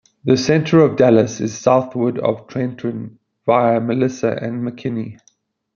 The center of Dallas is southwest of Trenton via Melissa and McKinney.